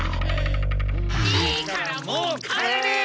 いいからもう帰れ！